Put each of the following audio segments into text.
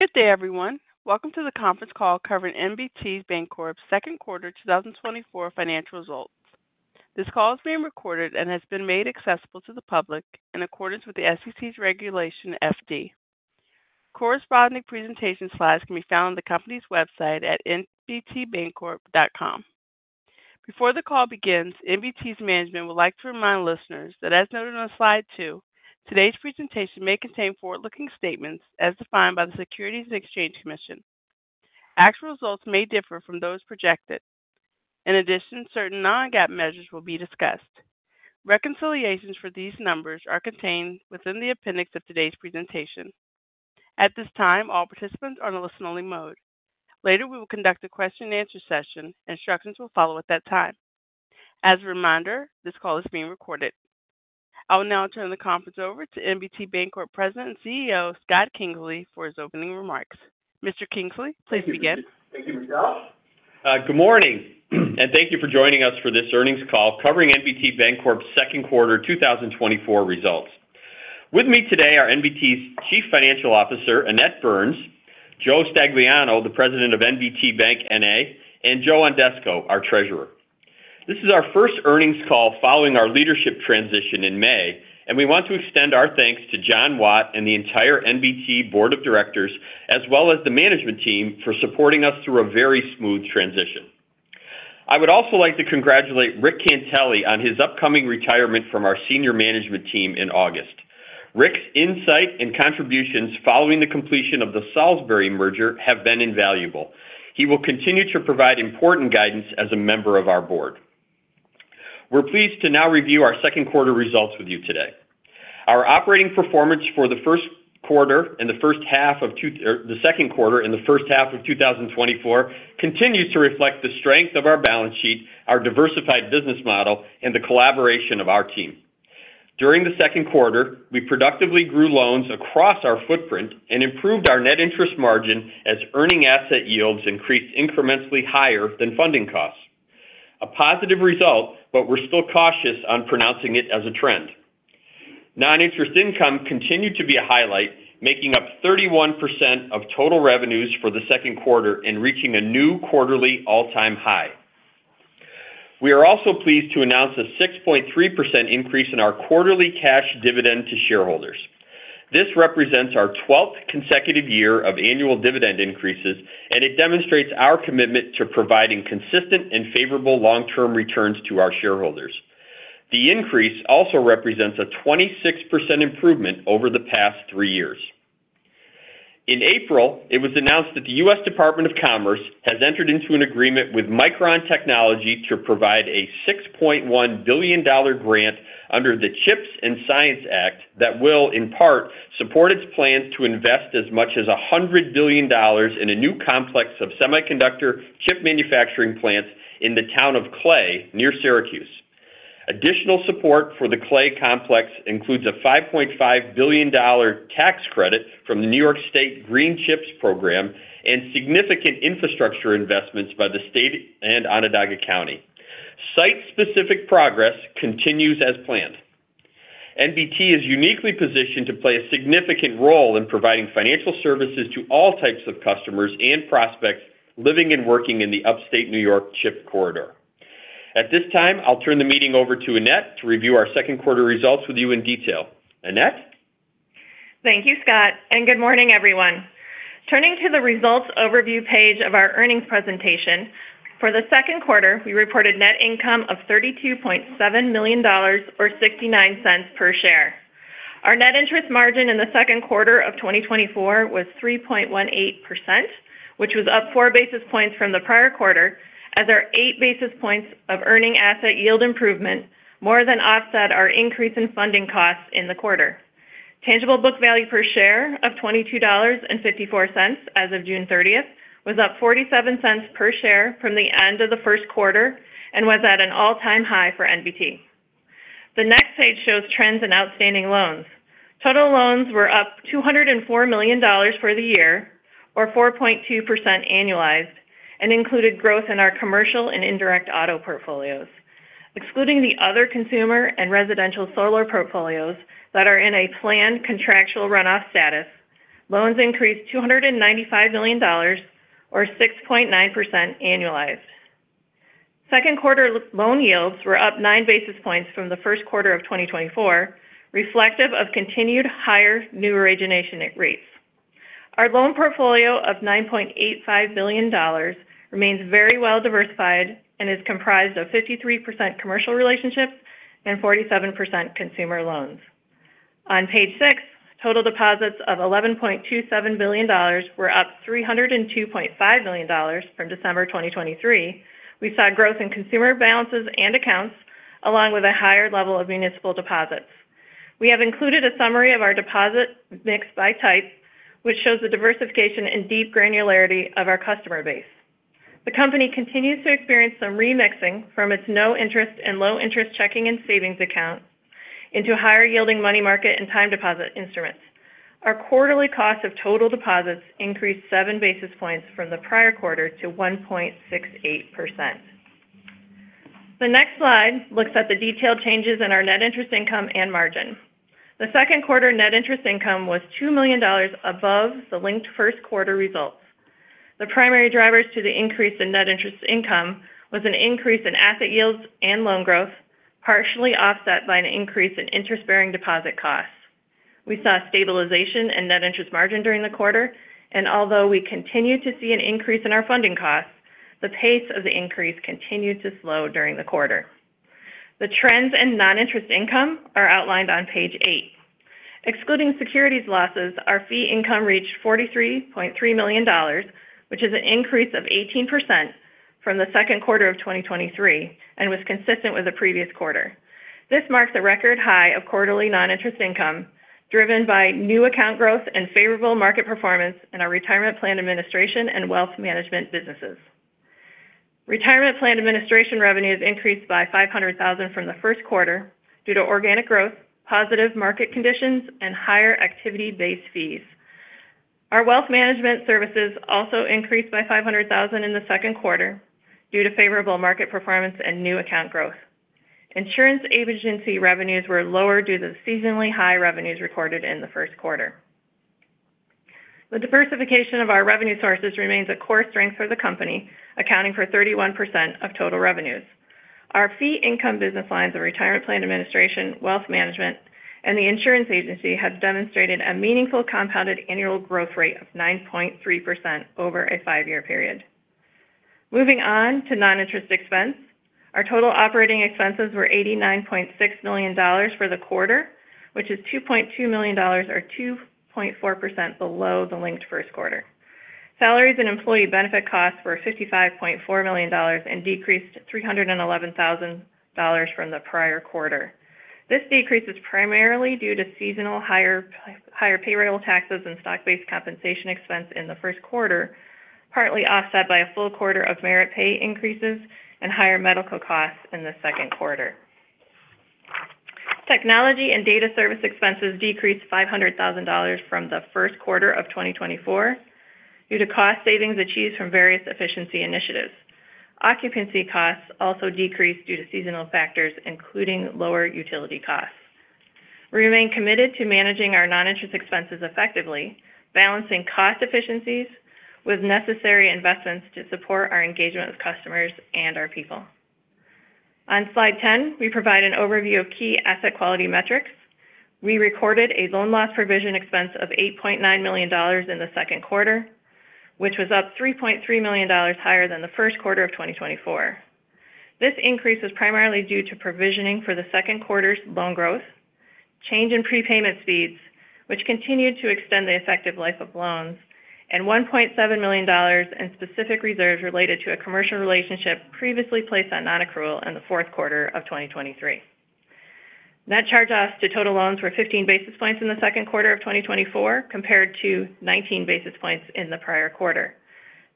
Good day everyone. Welcome to the conference call covering NBT Bancorp's Q2 2024 financial results. This call is being recorded and has been made accessible to the public in accordance with the SEC's Regulation FD. Corresponding presentation slides can be found on the company's website at nbtbancorp.com. Before the call begins, NBT's management would like to remind listeners that as noted on slide 2, today's presentation may contain forward-looking statements as defined by the Securities and Exchange Commission. Actual results may differ from those projected. In addition, certain non-GAAP measures will be discussed. Reconciliations for these numbers are contained within the appendix of today's presentation. At this time, all participants are in a listen-only mode. Later we will conduct a question and answer session. Instructions will follow at that time. As a reminder, this call is being recorded. I will now turn the conference over to NBT Bancorp President and CEO Scott Kingsley for his opening remarks. Mr. Kingsley, please begin. Thank you. Michelle. Good morning and thank you for joining us for this earnings call covering NBT Bancorp's Q2 2024 results. With me today are NBT's Chief Financial Officer Annette Burns, Joe Stagliano, the President of NBT Bank, Naomi and Joe Ondesko, our Treasurer. This is our first earnings call following our leadership transition in May and we want to extend our thanks to John Watt and the entire NBT Board of Directors as well as the management team for supporting us through a very smooth transition. I would also like to congratulate Rick Cantwell on his upcoming retirement from our. Senior management team in August. Rick's insight and contributions following the completion of the Salisbury merger have been invaluable. He will continue to provide important guidance. As a member of our board. We're pleased to now review our second. Quarter results with you today. Our operating performance for the Q1 and the first half of the Q2 and the first half of 2024 continues to reflect the strength of our balance sheet, our diversified business model and the collaboration of our team. During the Q2, we productively grew loans across our footprint and improved our net interest margin as earning asset yields increased incrementally. Higher funding costs, a positive result, but we're still cautious on pronouncing it as a trend. Noninterest income continued to be a highlight, making up 31% of total revenues for the Q2 and reaching a new quarterly all-time high. We are also pleased to announce a 6.3% increase in our quarterly cash dividend to shareholders. This represents our 12th consecutive year of annual dividend increases and it demonstrates our commitment to providing consistent and favorable long-term returns to our shareholders. The increase also represents a 26% improvement. Over the past three years. In April it was announced that the U.S. Department of Commerce has entered into an agreement with Micron Technology to provide a $6.1 billion grant under the CHIPS and Science Act that will in part support its plan to invest as much as $100 billion in a new complex of semiconductor chip manufacturing plants in the town of Clay, near Syracuse. Additional support for the Clay complex includes a $5.5 billion tax credit from the New York State Green CHIPS Program and significant infrastructure investments by the state and Onondaga County. Site-specific progress continues as planned. NBT is uniquely positioned to play a significant role in providing financial services to all types of customers and prospects living and working in the Upstate New York chip corridor. At this time, I'll turn the meeting over to Annette to review our Q2 results with you in detail. Thank you, Scott, and good morning, everyone. Turning to the results overview page of our earnings presentation for the Q2, we reported net income of $32.7 million or $0.69 per share. Our net interest margin in the Q2 of 2024 was 3.18%, which was up 4 basis points from the prior quarter as our 8 basis points of earning asset yield improvement more than offset our increase in funding costs in the quarter. Tangible book value per share of $22.54 as of June 30 was up $0.47 per share from the end of the Q1 and was at an all-time high for NBT. The next page shows trends in outstanding loans. Total loans were up $204 million for the year or 4.2% annualized and included growth in our commercial and indirect auto portfolios, excluding the other consumer and residential solar portfolios that are in a planned contractual runoff status. Loans increased $295 million or 6.9% annualized. Q2 loan yields were up 9 basis points from the Q1 of 2024, reflective of continued higher new origination rates. Our loan portfolio of $9.85 billion remains very well diversified and is comprised of 53% commercial relationships and 47% consumer loans. On page 6, total deposits of $11.27 billion were up $302.5 million from December 2023. We saw growth in consumer balances and accounts along with a higher level of municipal deposits. We have included a summary of our deposit mix by type which shows the diversification and deep granularity of our customer base. The company continues to experience some remixing from its no interest and low interest checking and savings account into higher yielding money market and time deposit instruments. Our quarterly cost of total deposits increased 7 basis points from the prior quarter to 1.68%. The next slide looks at the detailed changes in our net interest income and margin. The Q2 net interest income was $2 million above the linked Q1 results. The primary drivers to the increase in net interest income was an increase in asset yields and loan growth partially offset by an increase in interest bearing deposit costs. We saw stabilization in net interest margin during the quarter and although we continue to see an increase in our funding costs, the pace of the increase continued to slow during the quarter. The trends in noninterest income are outlined on page 8. Excluding securities losses, our fee income reached $43.3 million, which is an increase of 18% from the Q2 of 2023 and was consistent with the previous quarter. This marks a record high of quarterly non-interest income driven by new account growth and favorable market performance and in our retirement plan administration and wealth management businesses. Retirement plan administration revenues increased by $500,000 from the Q1 due to organic growth, positive market conditions and higher activity-based fees. Our wealth management services also increased by $500,000 in the Q2 due to favorable market performance and new account growth. Insurance agency revenues were lower due to the seasonally high revenues recorded in the Q1. The diversification of our revenue sources remains a core strength for the company accounting for 31% of total revenues. Our fee income, business lines of retirement plan administration, wealth management and the insurance agency have demonstrated a meaningful compounded annual growth rate of 9.3% over a five-year period. Moving on to noninterest expense, our total operating expenses were $89.6 million for the quarter, which is $2.2 million or 2.4% below the linked Q1. Salaries and employee benefit costs were $55.4 million and decreased $311,000 from the prior quarter. This decrease is primarily due to seasonal higher payroll taxes and stock-based compensation expense in the Q1, partly offset by a full quarter of merit pay increases and higher medical costs in the Q2. Technology and data service expenses decreased $500,000 from the Q1 of 2024 due to cost savings achieved from various efficiency initiatives. Occupancy costs also decreased due to seasonal factors including lower utility costs. We remain committed to managing our noninterest expenses, effectively balancing cost efficiencies with necessary investments to support our engagement with customers and our people. On slide 10 we provide an overview of key asset quality metrics. We recorded a loan loss provision expense of $8.9 million in the Q2 which was up $3.3 million higher than the Q1 of 2024. This increase was primarily due to provisioning for the Q2 loan growth, change in prepayment speeds which continued to extend the effective life of loans and $1.7 million in specific reserves related to a commercial relationship previously placed on nonaccrual. In the Q4 of 2023 net charge offs to total loans were 15 basis points in the Q2 of 2024 compared to 19 basis points in the prior quarter.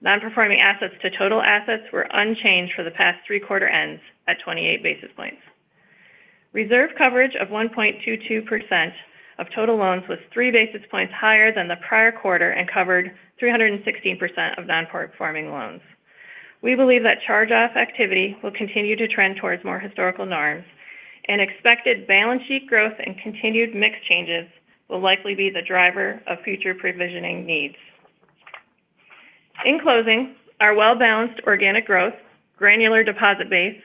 Nonperforming assets to total assets were unchanged for the past Q3 ends at 28 basis points. Reserve coverage of 1.22% of total loans was 3 basis points higher than the prior quarter and covered 316% of nonperforming loans. We believe that charge-off activity will continue to trend towards more historical norms and expected balance sheet growth and continued mix changes will likely be the driver of future provisioning needs. In closing, our well-balanced organic growth, granular deposit base,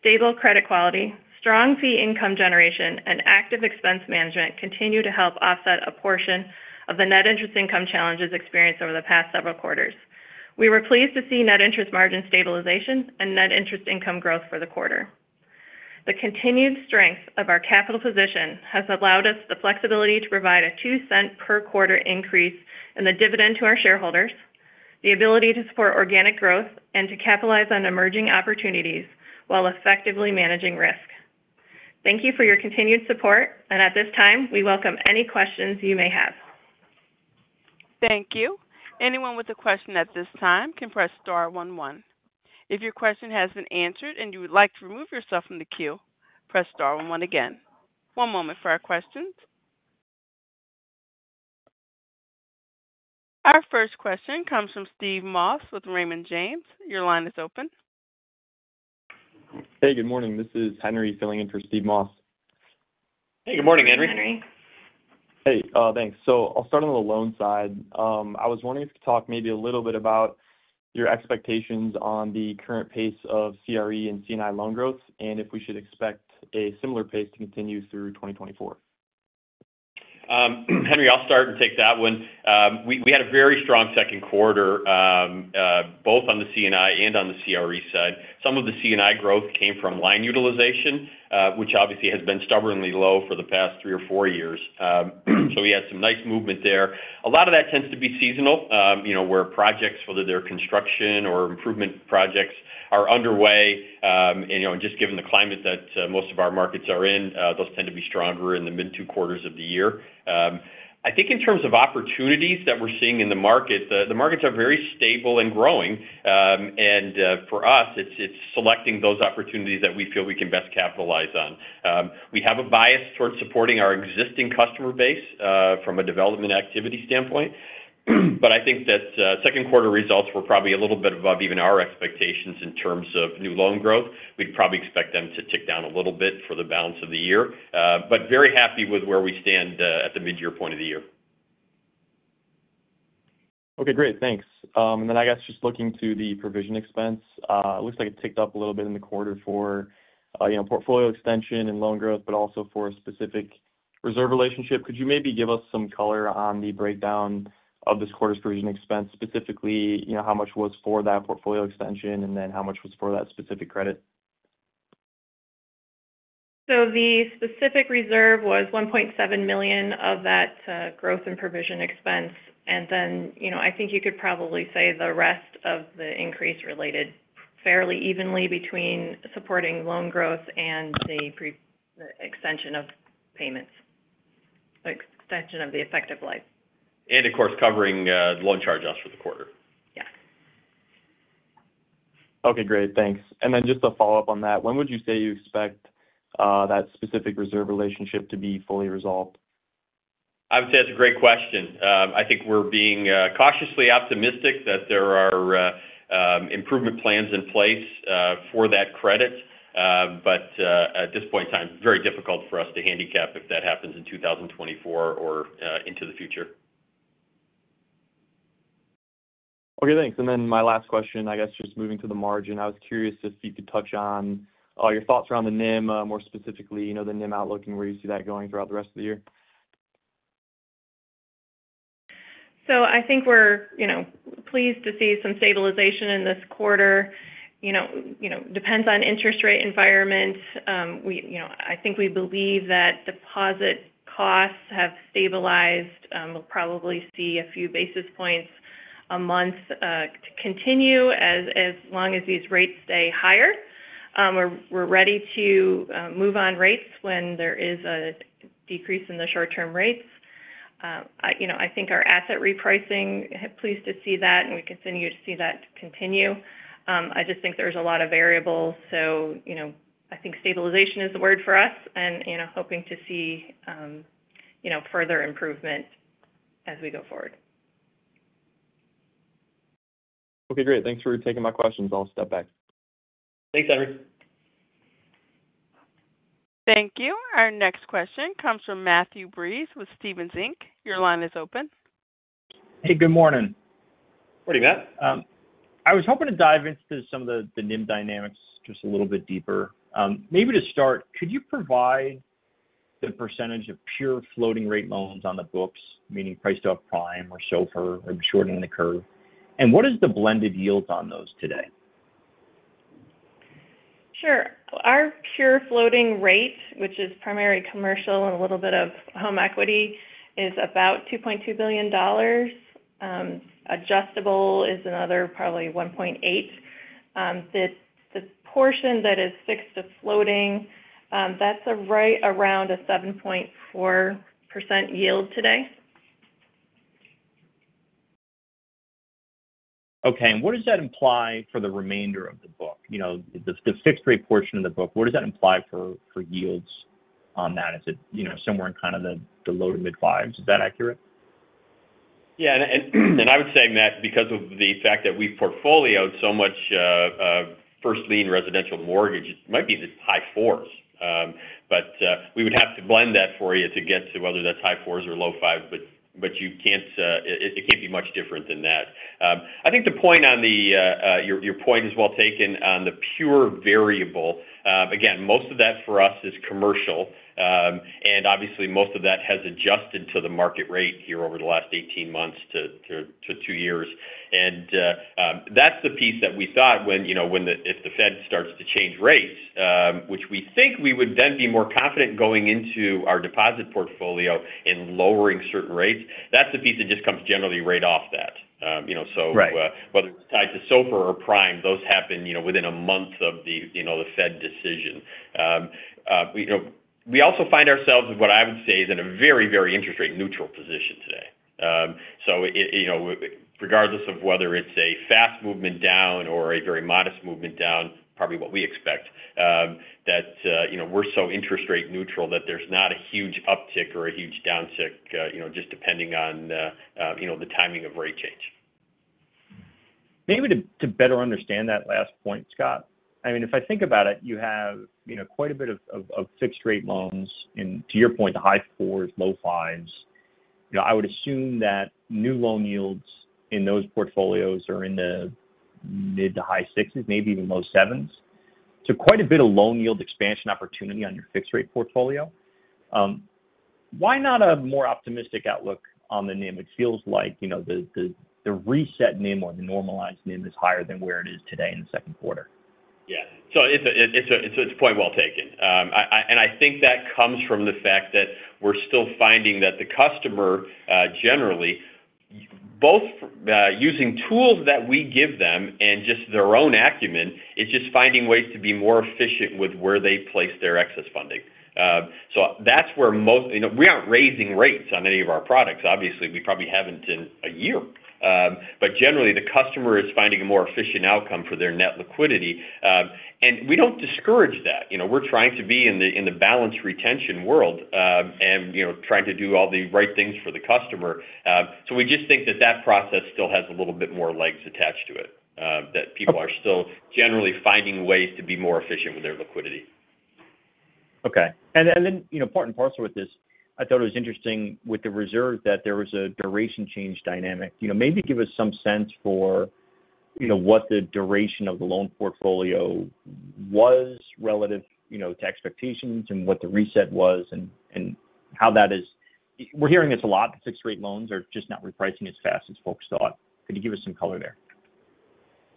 stable credit quality, strong fee income generation and active expense management continue to help offset a portion of the net interest income challenges experienced over the past several quarter. We were pleased to see net interest margin stabilization and net interest income growth for the quarter. The continued strength of our capital position has allowed us the flexibility to provide a $0.02 per quarter increase in the dividend to our shareholders, the ability to support organic growth, and to capitalize on emerging opportunities while effectively managing risk. Thank you for your continued support, and at this time we welcome any questions you may have. Thank you. Anyone with a question at this time can press star 11. If your question has been answered and you would like to remove yourself from the queue, press star 11 again. One moment for our questions. Our first question comes from Steve Moss with Raymond James. Your line is open. Hey, good morning. This is Henry filling in for Steve Moss. Hey, good morning, Henry. Hey, thanks. So I'll start on the loan side. I was wondering if you could talk? Maybe a little bit about your expectations on the current pace of CRE and C&I loan growth and if we should expect a similar pace to continue through 2024? Henry, I'll start and take that one. We had a very strong Q2. Both on the C&I and on the CRE side. Some of the C&I growth came from line utilization which obviously has been stubbornly low for the past three or four years. So we had some nice movement there. A lot of that tends to be. Seasonal where projects, whether they're construction or improvement projects, are underway. Just given the climate that most of our markets are in, those tend to be stronger in the mid-Q2 of the year. I think in terms of opportunities that we're seeing in the market, the markets are very stable and growing. For us it's selecting those opportunities that we feel we can best capitalize on. We have a bias towards supporting our. Existing customer base from a development activity standpoint. But I think that Q2 results were probably a little bit above even our expectations in terms of new loan growth. We'd probably expect them to tick down a little bit for the balance of the year, but very happy with where we stand at the midyear point of the year. Okay, great, thanks. Then I guess just looking to the provision expense, it looks like it ticked up a little bit in the quarter for portfolio extension and loan growth, but also for a specific reserve relationship. Could you maybe give us some color on the breakdown of this quarter's provision expense? Specifically how much was for that portfolio extension and then how much was for that specific credit? So the specific reserve was $1.7 million of that growth in provision expense. And then, you know, I think you could probably say the rest of the increase related fairly evenly between supporting loan growth and the extension of payments, extension of the effective life and of course. Covering loan charge-offs for the quarter. Yes. Okay, great, thanks. And then just a follow up on that. When would you say you expect that specific reserve relationship to be fully resolved? I would say that's a great question. I think we're being cautiously optimistic that there are improvement plans in place for that credit. But at this point in time, very difficult for us to handicap if that happens in 2024 or into the future. Okay, thanks. And then my last question, I guess just moving to the margin, I was curious if you could touch on your thoughts around the NIM more specifically the NIM outlook and where you see that? Going throughout the rest of the year. So, I think we're pleased to see some stabilization in this quarter. Depends on interest rate environment. I think we believe that the pipeline deposit costs have stabilized. We'll probably see a few basis points a month continue. As long as these rates stay higher, we're ready to move on rates. When there is a decrease in the short-term rates. I think our asset repricing. Pleased to see that and we continue to see that continue. I just think there's a lot of variables. So, I think stabilization is the word for us and hoping to see further improvement as we go forward. Okay, great. Thanks for taking my questions. I'll step back. Thanks, Henry. Thank you. Our next question comes from Matthew Breese with Stephens Inc. Your line is open. Hey, good morning. I was hoping to dive into some of the NIM dynamics just a little bit deeper maybe. To start, could you provide the percentage of pure floating rate loans on the books, meaning priced off prime or SOFR. Or shortening the curve? What is the blended yields on those today? Sure. Our pure floating rate, which is prime, commercial and a little bit of home equity, is about $2.2 billion. Adjustable is another probably $1.8 billion. The portion that is fixed to floating, that's right around a 7.4% yield today. Okay, and what does that imply for? The remainder of the book? You know, the fixed rate portion of the book, what does that imply for yields on that? Is it, you know, somewhere in kind of the low- to mid-5s, is that accurate? Yeah, and I would say, Matt, because of the fact that we portfolioed so much first lien residential mortgage might be the high 4s, but we would have to blend that for you to get to whether that's high 4s or low 5. But it can't be much different than that. I think the point on the. Your point is well taken on the pure variable. Again, most of that for us is. Commercial and obviously most of that has adjusted to the market rate here over the last 18 months to 2 years. That's the piece that we thought if the Fed starts to change rates. Which we think we would then be. More confident going into our deposit portfolio. Lowering certain rates, that's the piece. That just comes generally right off that. So whether it's tied to SOFR or prime, those happen within a month of the Fed decision. We also find ourselves what I would say is in a very, very interest rate neutral position today. So regardless of whether it's a fast movement down or a very modest movement down, probably what we expect, that we're so interest rate neutral that there's not a huge uptick or a huge downtick just depending on the timing of rate change. Maybe to better understand that last point, Scott, I mean, if I think about it, you have quite a bit of fixed rate loans and to your point, the high 4s, low 5s, I would assume that new loan yields in those portfolios are in the mid- to high 6s, maybe even low 7s. So quite a bit of loan yield expansion opportunity on your fixed rate portfolio. Why not a more optimistic outlook on the NIM? It feels like the reset NIM or the normalized NIM is higher than where it is today in the Q2. Yeah. So it's a point well taken and I think that comes from the fact that we're still finding that the customer generally both using tools that we give them and just their own acumen is. Just finding ways to be more efficient. With where they place their excess funding. So that's where most. We aren't raising rates on any of our products. Obviously we probably haven't in a year. But generally the customer is finding a more efficient outcome for their net liquidity. We don't discourage that. We're trying to be in the balance. Retention world and trying to do all the right things for the customer. So we just think that that process. Still has a little bit more legs attached to it, that people are still generally finding ways to be more efficient with their liquidity. Okay. And then, part and parcel with this, I thought it was interesting with the reserve that there was a duration change dynamic. Maybe give us some sense for what the duration of the loan portfolio was relative to expectations and what the reset was and how that is. We're hearing this a lot. Fixed rate loans are just not repricing as fast as folks thought. Could you give us some color there?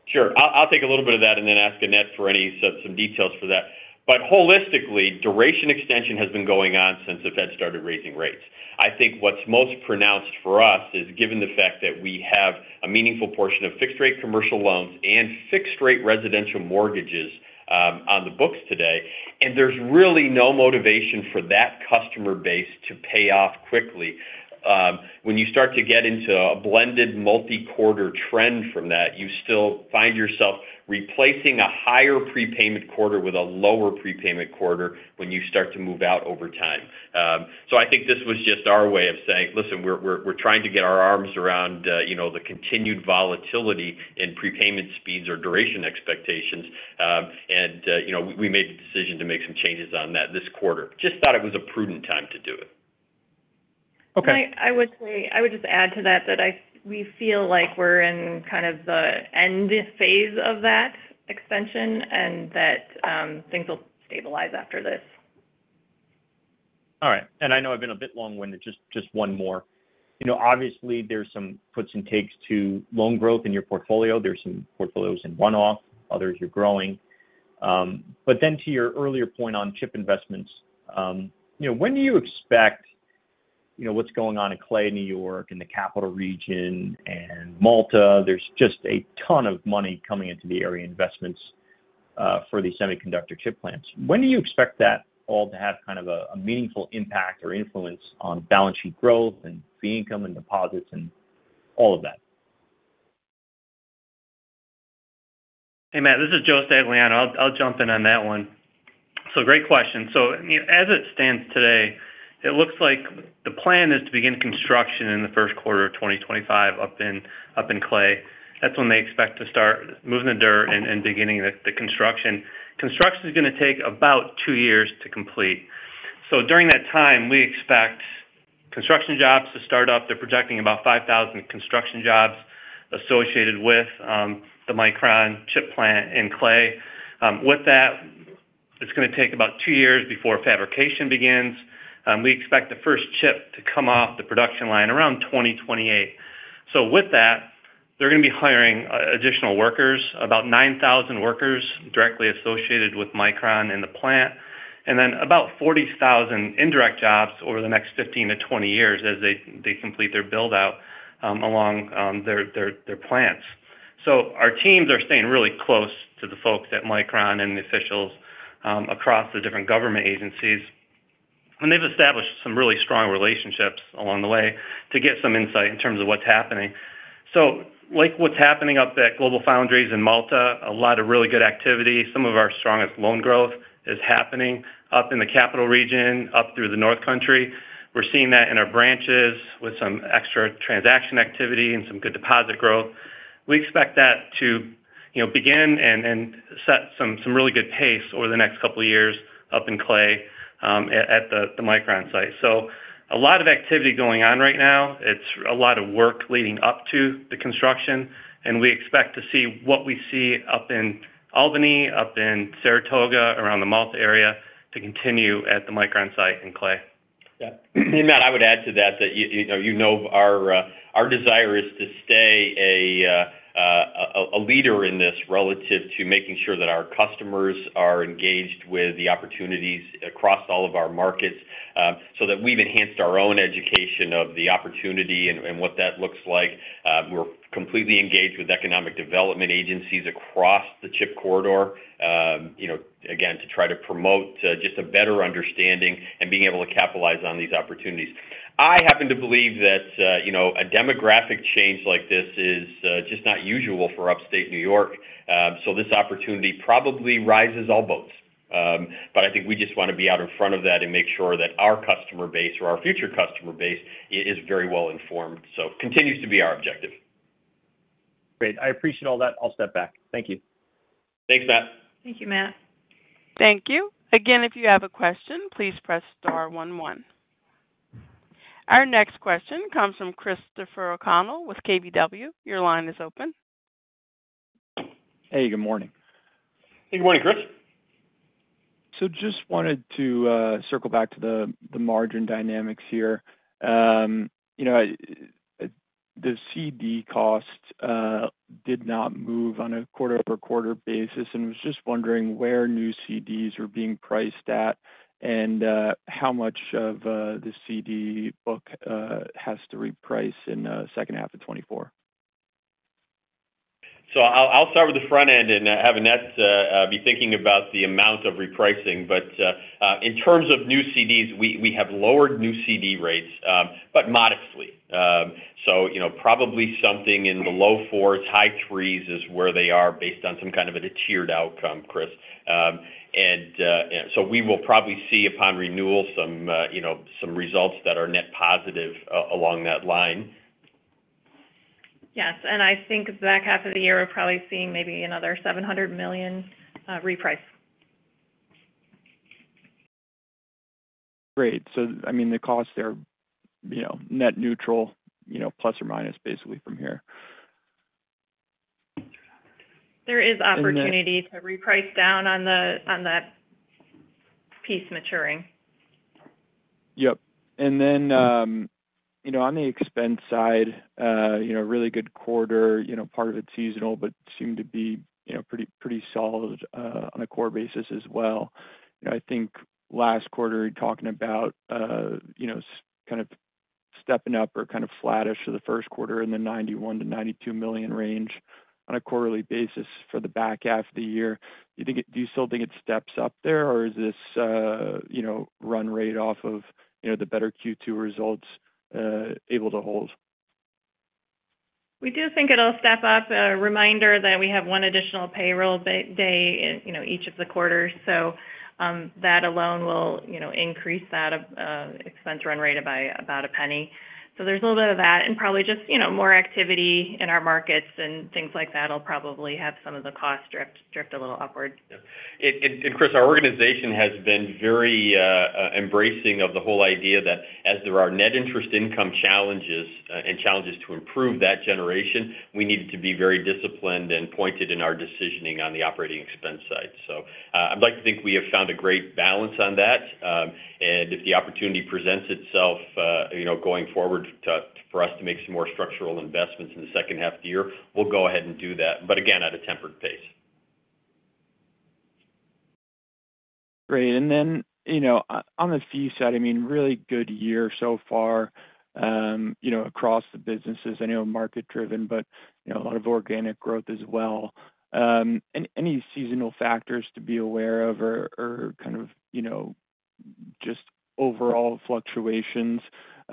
Sure. I'll take a little bit of that and then ask Annette for any details for that. But holistically, duration extension has been going on since the Fed started raising rates. I think what's most pronounced for us. Is given the fact that we have. A meaningful portion of fixed-rate commercial. Loans and fixed-rate residential mortgages on. The books today and there's really no. Motivation for that customer base to pay off quickly. When you start to get into a. Blended multi-quarter trend from that, you. Still find yourself replacing a higher prepayment. Quarter with a lower prepayment quarter when you start to move out over time. So I think this was just our way of saying, listen, we're trying to get our arms around the continued volatility in prepayment speeds or duration expectations and we made the decision to make some changes on that this quarter. Just thought it was a prudent time to do it. Okay. I would just add to that. We feel like we're in kind of the end phase of that extension and that things will stabilize after this. All right. I know I've been a bit long-winded. Just one more. Obviously there's some puts and takes to loan growth in your portfolio. There's some portfolios in one-off, others you're growing. But then to your earlier point on chip investments, when do you expect, you know, what's going on in Clay, New York, in the Capital Region and Malta, there's just a ton of money coming into the area. Investments for the semiconductor chip plants. When do you expect that all to have kind of a meaningful impact or influence on balance sheet growth and fee income and deposits and all of that? Hey Matt, this is Joe Stagliano. I'll jump in on that one. Great question. So as it stands today, it looks like the plan is to begin construction in the Q1 of 2025 up in Clay. That's when they expect to start moving the dirt and beginning the construction. Construction is going to take about two years to complete. So during that time we expect construction. Jobs to start up. They're projecting about 5,000 construction jobs associated with the Micron chip plant in Clay. With that, it's going to take about 2 years before fabrication begins. We expect the first chip to come off the production line around 2028. So with that they're going to be hiring additional workers. About 9,000 workers directly associated with Micron in the plant and then about 40,000 indirect jobs over the next 15-20 years as they complete their build out along their plants. So our teams are staying really close to the folks at Micron and the officials across the different government agencies. And they've established some really strong relationships along the way to get some insight in terms of what's happening. So like what's happening up at GlobalFoundries in Malta? A lot of really good activity. Some of our strongest loan growth is happening up in the Capital Region, up. Through the North Country. We're seeing that in our branches with some extra transaction activity and some good deposit growth. We expect that to begin and set some really good pace over the next couple years up in Clay at the Micron site. So a lot of activity going on right now. It's a lot of work leading up to the construction and we expect to see what we see up in Albany, up in Saratoga, around the Malta area to continue at the Micron site in Clay. Matt, I would add to that. You know, our desire is to stay a leader in this relative to making sure that our customers are engaged with the opportunities across all of our markets so that we've enhanced our own education of the opportunity and what that looks like. We're completely engaged with economic development agencies across, across the chip corridor again to try to promote just a better understanding and being able to capitalize on these opportunities. I happen to believe that a demographic change like this is just not usual for upstate New York. So this opportunity probably rises all boats, but I think we just want to be out in front of that and make sure that our customer base or our future customer base is very well informed. So continues to be our objective. Great, I appreciate all that. I'll step back. Thank you. Thanks Matt. Thank you, Matt. Thank you again. If you have a question, please press star 11. Our next question comes from Christopher O’Connell with KBW. Your line is open. Hey, good morning. Good morning, Chris. So just wanted to circle back to the margin dynamics here. You know, the CD cost did not move on a quarter-over-quarter basis. And I was just wondering where new CDs are being priced at and how much of the CD book has to reprice in second half of 2024? I'll start with the front end. Have Annette be thinking about the amount of repricing. In terms of new CDs, we have lowered new CD rates, but modestly. Probably something in the low 4s, high 3s is where they are based on some kind of a deteriorated outcome. Chris. We will probably see upon renewal some results that are net positive along that line. Yes. I think the back half of the year we're probably seeing maybe another $700 million reprice. Great. So I mean the costs are, you know, net neutral, you know, plus or minus. Basically from here. There is opportunity to reprice down on that piece maturing. Yep. And then, you know, on the expense side, you know, really good quarter, you know, part of it seasonal, but seem to be pretty solid on a core basis as well. I think last quarter talking about stepping up or flattish for the Q1 in the $91 million-$92 million range on a quarterly basis for the back half of the year. Do you still think it steps up there or is this run rate off of the better Q2 results able to hold? We do think it will step up. A reminder that we have one additional payroll day each of the quarters. So that alone will increase that expense run rate by about a penny. So there's a little bit of that and probably just more activity in our markets and things like that will probably have some of the costs drift a little upward. Chris, our organization has been very embracing of the whole idea that as there are net interest income challenges and challenges to improve that generation, we need to be very disciplined and pointed in our decisioning on the operating expense side. So I'd like to think we have found a great balance on that and if the opportunity presents itself going forward for us to make some more structural investments in the second half of the year, we'll go ahead and do that. But again at a tempered pace. Great. Then on the fee side, I mean really good year so far across the businesses. I know, market driven but a lot of organic growth as well. Any seasonal factors to be aware of or kind of just overall fluctuations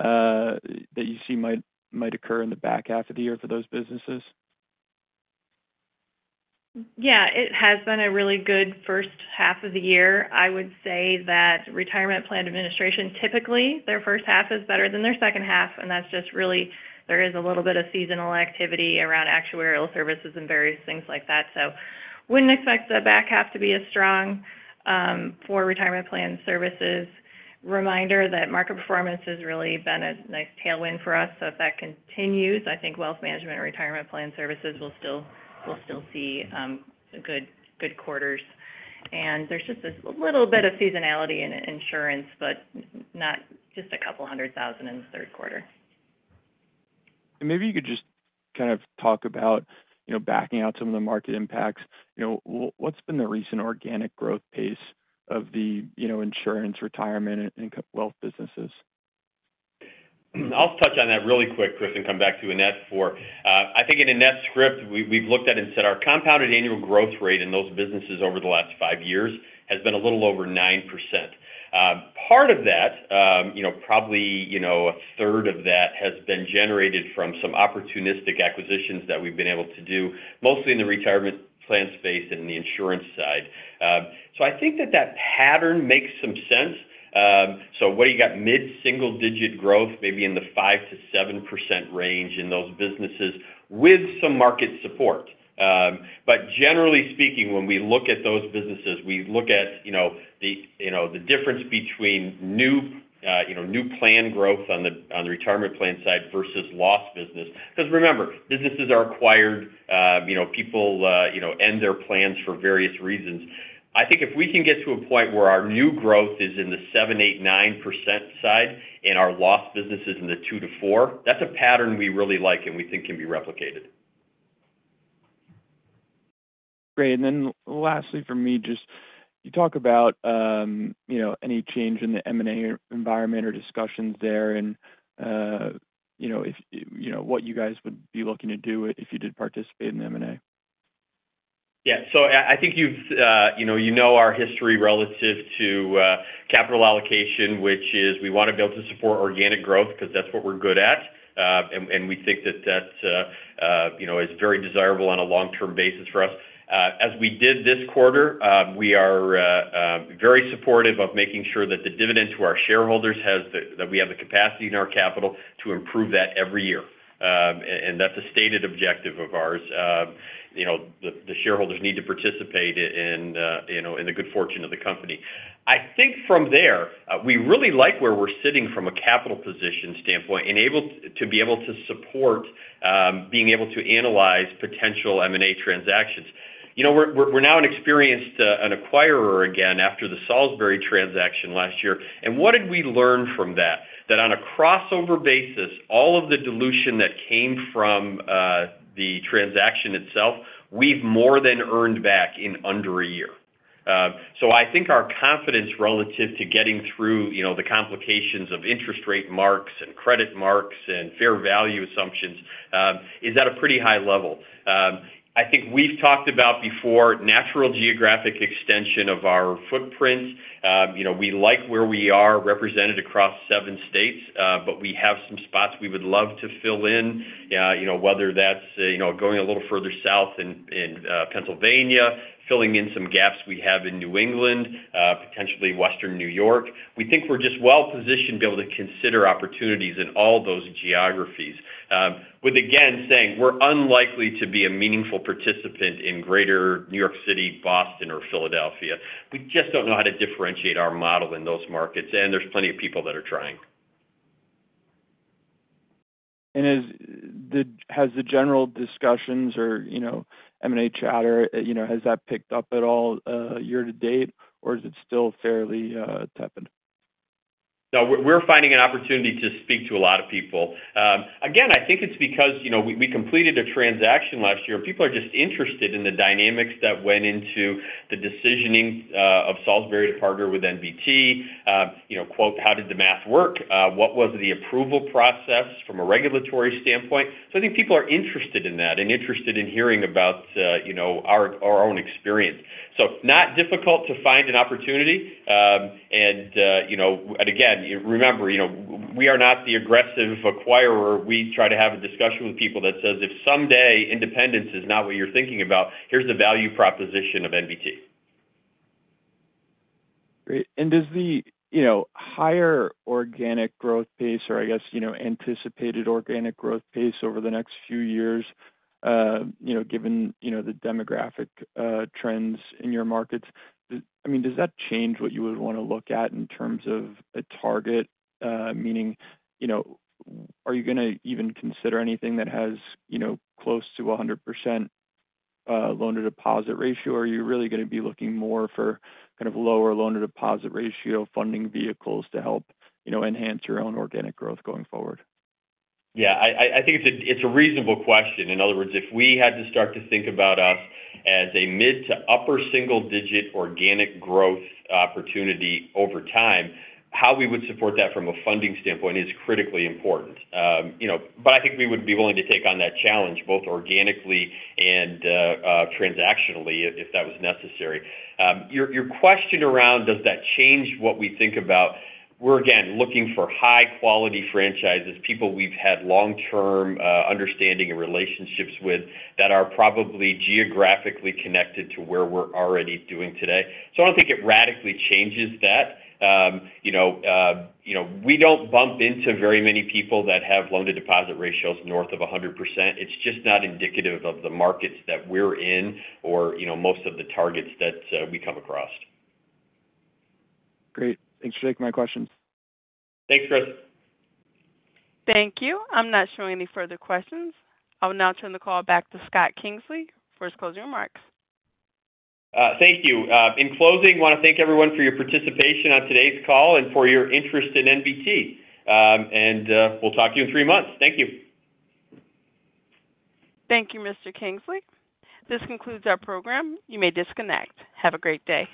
that you see might occur in the back half of the year for those businesses? Yeah, it has been a really good first half of the year. I would say that retirement plan administration, typically their first half is better than their second half and that's just really there is a little bit of seasonal activity around actuarial services and various things like that. So wouldn't expect the back half to be as strong for retirement plan services. Reminder that market performance has really been a nice tailwind for us. So if that can, I think wealth management retirement plan services will still see good quarters and there's just a little bit of seasonality in insurance, but not just $200,000 in the Q3. Maybe you could just kind of talk about backing out some of the market impacts. What's been the recent organic growth pace of the insurance, retirement and wealth businesses? I'll touch on that really quick, Chris. Come back to Annette for. I think in Annette's script we've looked. as we said, our compounded annual growth. Rate in those businesses over the last 5 years has been a little over 9%. Part of that, probably a third of that has been generated from some opportunistic acquisitions that we've been able to do mostly in the retirement plan space and the insurance side. I think that that pattern makes some sense. So what do you got? Mid single digit growth, maybe in the. 5%-7% range in those businesses. With some market support. But generally speaking, when we look at. Those businesses, we look at the difference between new plan growth on the retirement plan side versus lost business because, remember, businesses are acquired, people end their plans for various reasons. I think if we can get to a point where our new growth is. In the 7%-9% side and our lost business is in the 2%. Q4, that's a pattern we really. Like, and we think can be replicated. Great. And then lastly for me just you talk about any change in the M&A environment or discussions there and what you guys would be looking to do if you did participate in the M&A. Yes. So I think you've, you know, you. No, our history relative to capital allocation, which is we want to be able to support organic growth because that's what we're good at. And we think that that, you know, is very desirable on a long-term basis for us, as we did this quarter. We are very supportive of making sure that the dividend to our shareholders has, that we have the capacity in our capital to improve that every year. And that's a stated objective of ours. The shareholders need to participate in the good fortune of the company. I think from there we really like. Where we're sitting from a capital position standpoint to be able to support being able to analyze potential M&A transactions. We're now an experienced acquirer again after. The Salisbury transaction last year. What did we learn from that? That on a crossover basis, all of. The dilution that came from the transaction itself, we've more than earned back in under a year. So I think our confidence relative to. Getting through the complications of interest rate marks and credit marks and fair value assumptions is at a pretty high level. I think we've talked about before natural. Geographic extension of our footprint. You know, we like where we are represented across seven states, but we have some spots we would love to fill in. You know, whether that's, you know, going a little further south in Pennsylvania, filling in some gaps we have in New England, potentially Western New York. We think we're just well positioned to. Be able to consider opportunities in all those geographies with again saying we're unlikely to be a meaningful participant in Greater New York City, Boston or Philadelphia. We just don't know how to differentiate our model in those markets. And there's plenty of people that are trying. Has the general discussions or M&A chatter, has that picked up at all year to date or is it still fairly tepid? We're finding an opportunity to speak to. A lot of people. Again, I think it's because we completed. A transaction last year. People are just interested in the dynamics that went into the decisioning of Salisbury to partner with NBT. Quote, how did the math work? What was the approval process from a regulatory standpoint? So I think people are interested in. That, and interested in hearing about our own experience. Not difficult to find an opportunity. Again, remember, we are not the aggressive acquirer. We try to have a discussion with people that says if someday independence is not what you're thinking about. Here's the value proposition of NBT. Great. Does the higher organic growth pace or I guess anticipated organic growth pace over the next few years, given the demographic trends in your markets, does that change what you would want to look at in terms of a target? Meaning, you know, are you going to even consider anything that has, you know, close to 100% loan to deposit ratio, or are you really going to be looking more for kind of lower loan to deposit ratio funding vehicles to help, you know, enhance your own organic growth going forward? Yeah, I think it's a reasonable question. In other words, if we had to start to think about us as a mid- to upper-single-digit organic growth opportunity over time, how we would support that from a funding standpoint is critically important. But I think we would be willing to take on that challenge both organically and transactionally if that was necessary. Your question around, does that change what we think about? We're again looking for high-quality franchises, people we've had long-term understanding and relationships with that are probably geographically connected to where we're already doing. So I don't think it radically changes that. We don't bump into very many people. That have loan-to-deposit ratios north of 100%. It's just not indicative of the markets that we're in or most of the targets that we come across. Great. Thanks for taking my questions. Thanks, Chris. Thank you. I'm not showing any further questions. I will now turn the call back to Scott Kingsley. First closing remarks. Thank you. In closing, I want to thank everyone for your participation on today's call and for your interest in NBT. We'll talk to you in three months. Thank you. Thank you, Mr. Kingsley. This concludes our program. You may disconnect. Have a great day.